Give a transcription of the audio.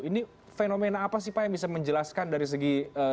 ini fenomena apa sih pak yang bisa menjelaskan dari segi